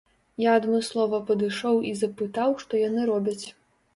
Я адмыслова падышоў і запытаў, што яны робяць.